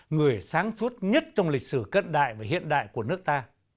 người sáng suốt nhất trong lịch sử cất đại và hiện đại của nước ta